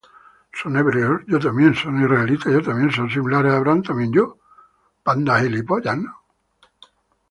¿Son Hebreos? yo también. ¿Son Israelitas? yo también. ¿Son simiente de Abraham? también yo.